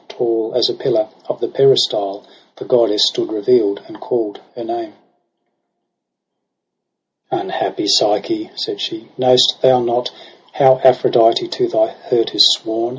Tall as a pillar of the peristyle. The goddess stood reveal'd, and call'd her name. II 'Unhappy Psyche,' said she, 'knoVst thou not How Aphrodite to thy hurt is sworn